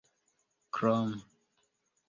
krom